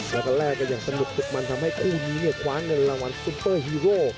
แล้วก็แลกกันอย่างสนุกสุดมันทำให้คู่นี้เนี่ยคว้าเงินรางวัลซุปเปอร์ฮีโร่